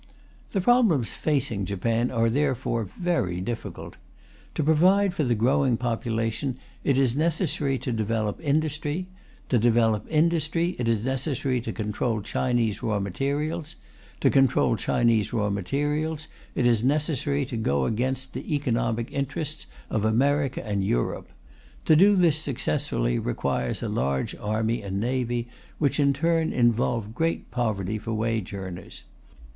The problems facing Japan are therefore very difficult. To provide for the growing population it is necessary to develop industry; to develop industry it is necessary to control Chinese raw materials; to control Chinese raw materials it is necessary to go against the economic interests of America and Europe; to do this successfully requires a large army and navy, which in turn involve great poverty for wage earners.